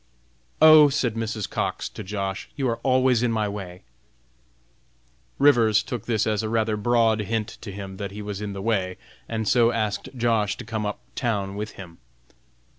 "Oh!" said Mrs. Cox to Josh., "you are always in my way." Rivers took this as a rather broad hint to him that he was in the way, and so asked Josh. to come up town with him.